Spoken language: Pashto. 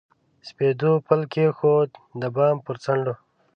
سپېدو پل کښېښود، د بام پر څنډو